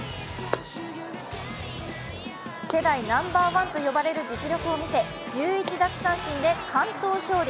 世代ナンバーワンといわれる実力を見せ１１奪三振で完投勝利。